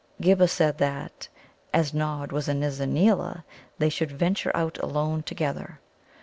Ghibba said that, as Nod was a Nizza neela, they should venture out alone together.